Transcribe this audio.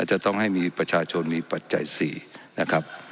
จะต้องให้มีประชาชนมีปัจจัย๔นะครับ